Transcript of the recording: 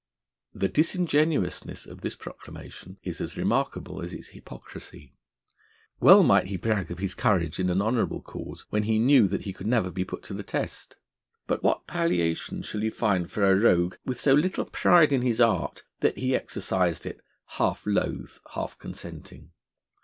The disingenuousness of this proclamation is as remarkable as its hypocrisy. Well might he brag of his courage in an honourable cause, when he knew that he could never be put to the test. But what palliation shall you find for a rogue with so little pride in his art, that he exercised it 'half loth, half consenting'?